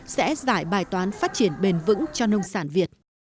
sẽ giải bài toán phát triển bền vững cho nông sản việt